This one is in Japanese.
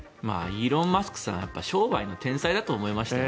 イーロン・マスクさん商売の天才だと思いました。